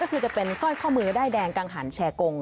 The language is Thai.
ก็คือจะเป็นสร้อยข้อมือด้ายแดงกังหันแชร์กง